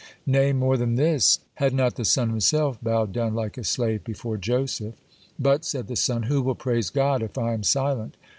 (41) Nay, more than this, had not the sun himself bowed down like a slave before Joseph? "But," said the sun, "who will praise God if I am silent?"